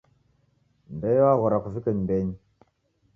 Ndeo waghora kuvike nyumbenyi.